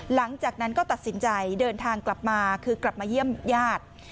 หลังจากนั้นก็ตัดสินใจเดินทางกลับมาคือกลับมาเยี่ยมญาติ